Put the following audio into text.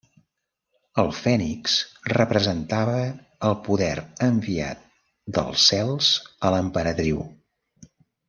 El fènix representava el poder enviat dels cels a l'Emperadriu.